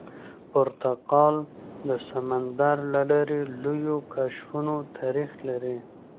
پرتګال د سمندر له لارې لویو کشفونو تاریخ لري.